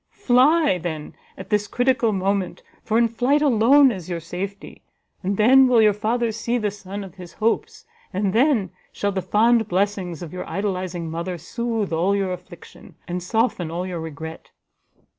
Fly, then, at this critical moment, for in flight alone is your safety; and then will your father see the son of his hopes, and then shall the fond blessings of your idolizing mother soothe all your affliction, and soften all your regret!"